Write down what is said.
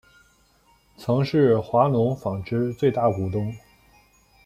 曾是华隆纺织最大股东。